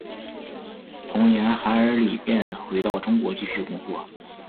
同年韩尔礼便回到中国继续工作。